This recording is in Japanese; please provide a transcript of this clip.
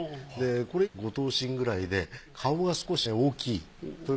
これ５頭身くらいで顔が少し大きい。